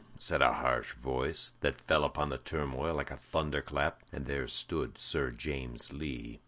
said a harsh voice, that fell upon the turmoil like a thunder clap, and there stood Sir James Lee.